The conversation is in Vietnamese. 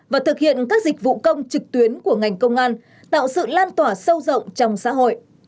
và thực hiện các dịch vụ công trực tuyến của ngành công an tạo sự lan tỏa sâu rộng trong xã hội